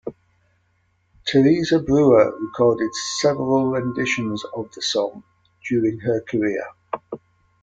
Teresa Brewer recorded several renditions of the song during her career.